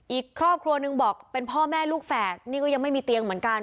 อีกครอบครัวหนึ่งบอกเป็นพ่อแม่ลูกแฝดนี่ก็ยังไม่มีเตียงเหมือนกัน